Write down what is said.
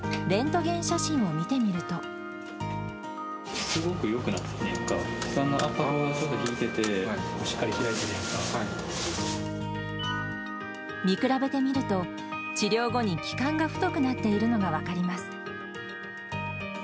気管の圧迫が引いてて、見比べてみると、治療後に気管が太くなっているのが分かります。